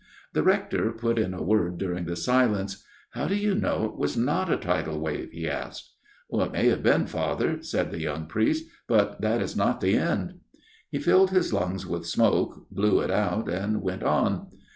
The Rector put in a word during the silence. " How do you know it was not a tidal wave ?" he asked. " It may have been, Father," said the young priest. " But that is not the end." He filled his lungs with smoke, blew it out, and went on.